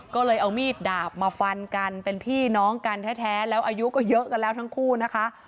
ก็เลยเอามีดดาบมาฟันกันเป็นพี่น้องกันแท้แล้วอายุก็เยอะกันแล้วทั้งคู่นะคะ